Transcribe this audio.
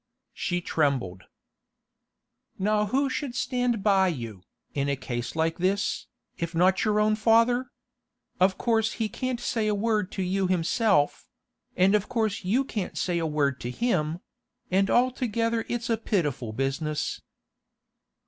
She trembled. 'Now who should stand by you, in a case like this, if not your own father? Of course he can't say a word to you himself; and of course you can't say a word to him; and altogether it's a pitiful business.